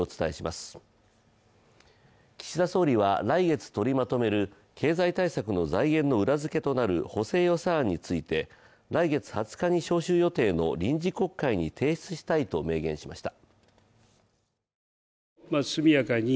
岸田総理は来月取りまとめる経済対策の財源の裏付けとなる補正予算案について来月２０日に召集予定の臨時国会に提出したいと明言しました。